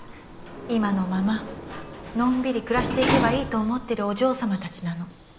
今のままのんびり暮らしていけばいいと思ってるお嬢様たちなの。